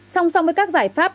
song song với các giải pháp